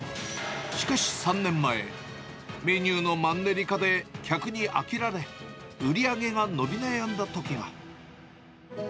しかし３年前、メニューのマンネリ化で、客に飽きられ、売り上げが伸び悩んだときが。